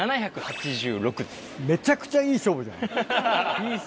めちゃくちゃいい勝負じゃない。